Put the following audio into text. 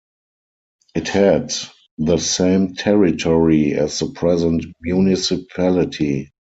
It had the same territory as the present municipality.